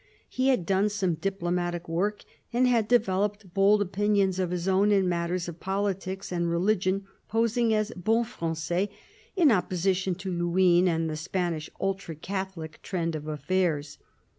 He had done some diplomatic work, and had developed bold opinions of his own in matters of politics and religion, posing as " bon frangais " in opposition to Luynes and the Spanish ultra Catholic trend of affairs.